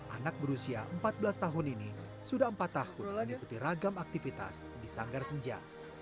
anak berusia empat belas tahun ini sudah empat tahun mengikuti ragam aktivitas di sanggar senja